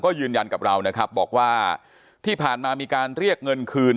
ก็ยืนยันกับเรานะครับบอกว่าที่ผ่านมามีการเรียกเงินคืน